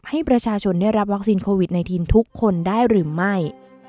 ให้ประชาชนได้รับวัคซีนโควิด๑๙ทุกคนได้หรือไม่